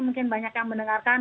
mungkin banyak yang mendengarkan